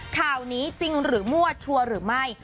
ข่าวนี้จริงหรือมั่วชัวร์หรือไม่